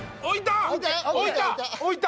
置いた！